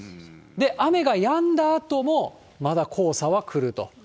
雨がやんだあとも、まだ黄砂は来ると。